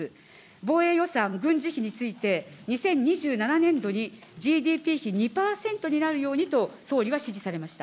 防衛予算、軍事費について、２０２７年度にＧＤＰ２％になるようにと総理は指示されました。